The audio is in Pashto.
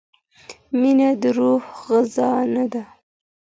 مینه د روح غذا نه ده.